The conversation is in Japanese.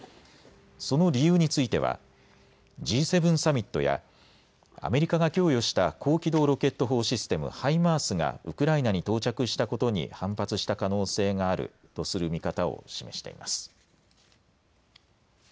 その理由についてはＧ７サミットやアメリカが供与した高機動ロケット砲システム・ハイマースがウクライナに到着したことに反発した可能性があるとする見方を示しています。